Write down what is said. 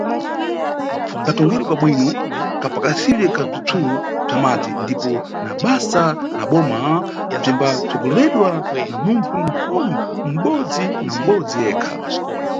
Katongedwe ka bwino, kapakasidwe ka bzitsulo bza madzi ndipo na basa la Boma bzimbatsogoleredwa na munthu nkulu mʼbodzi na mʼbodzi ekha.